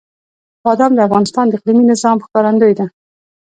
بادام د افغانستان د اقلیمي نظام ښکارندوی ده.